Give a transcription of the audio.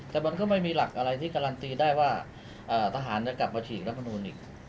แต่มันก็ไม่มีหลักอะไรที่การันตีได้ว่าทหารจะกลับมาฉีกรัฐมนูลอีก